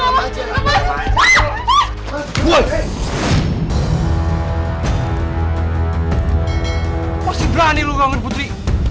masih berani lu kangen putri